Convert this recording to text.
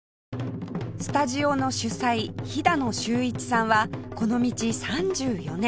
スタジオの主宰ヒダノ修一さんはこの道３４年